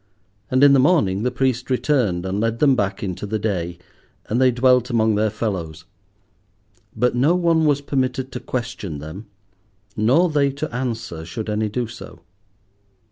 And in the morning the priest returned and led them back into the day; and they dwelt among their fellows. But no one was permitted to question them, nor they to answer should any do so.